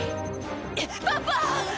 パパ！